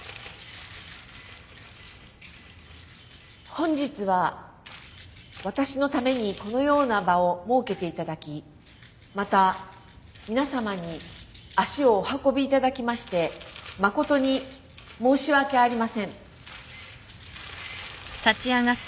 本日は私のためにこのような場を設けていただきまた皆さまに足をお運びいただきまして誠に申し訳ありません。